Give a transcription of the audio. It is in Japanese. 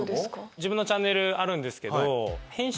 自分のチャンネルあるんですけど。